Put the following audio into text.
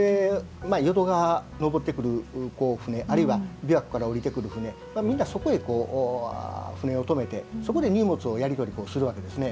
淀川上ってくる舟あるいは琵琶湖から下りてくる舟みんなそこへ舟を止めてそこで荷物をやり取りするわけですね。